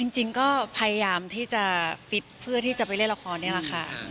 จริงก็พยายามที่จะฟิตเพื่อที่จะไปเล่นละครนี่แหละค่ะ